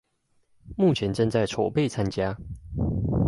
目前正在籌備參加